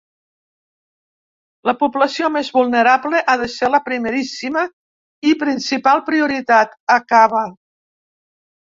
“La població més vulnerable ha de ser la primeríssima i principal prioritat”, acaba.